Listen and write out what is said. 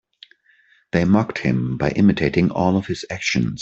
They mocked him by imitating all of his actions.